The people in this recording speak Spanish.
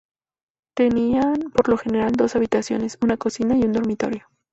Tenían por lo general dos habitaciones, una cocina y un dormitorio.